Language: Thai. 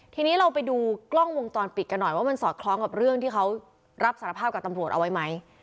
ทีนี้เราไปดูกล้องวงจรปิดกันหน่อยว่ามันสอดคล้องกับเรื่องที่เขารับสารภาพกับตำรวจเอาไว้ไหม